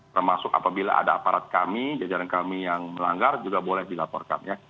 termasuk apabila ada aparat kami jajaran kami yang melanggar juga boleh dilaporkan ya